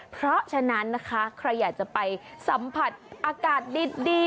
เพราะฉะนั้นนะคะใครอยากจะไปสัมผัสอากาศดี